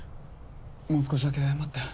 もう少しだけ待って。